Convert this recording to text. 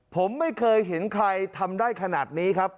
ผมไม่เคยเห็นใครทำได้ขนาดนี้ครับ